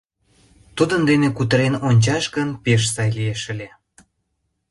«Тудын дене кутырен ончаш гын, пеш сай лиеш ыле.